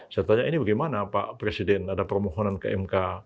saya tanya ini bagaimana pak presiden ada permohonan ke mk